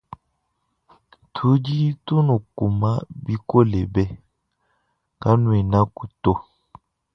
Tudi tunukuma bikole be kanuenaku to.